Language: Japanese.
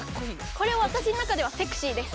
これは私の中ではセクシーです。